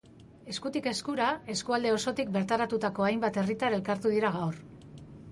Eskutik eskura, eskualde osotik bertaratutako hainbat herritar elkartu dira gaur.